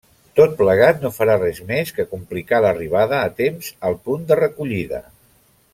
Tot plegat no farà res més que complicar l'arribada a temps al punt de recollida.